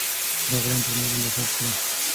دا غلام پر ما باندې خرڅ کړه.